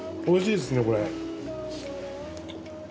おいしいですねこれ。